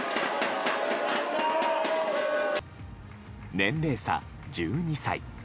年齢差１２歳。